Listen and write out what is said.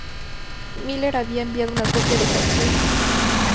Miller había enviado una copia de "Joaquin, et al.